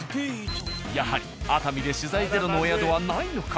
やはり熱海で取材ゼロのお宿はないのか？